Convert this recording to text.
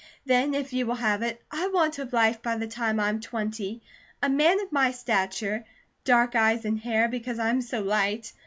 "Then if you will have it, I want of life by the time I am twenty a man of my stature, dark eyes and hair, because I am so light.